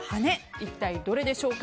一体どれでしょうか。